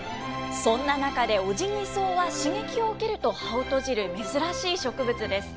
そんな中でオジギソウは、刺激を受けると葉を閉じる珍しい植物です。